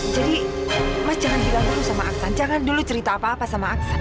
jadi mas jangan bilang dulu sama aksan jangan dulu cerita apa apa sama aksan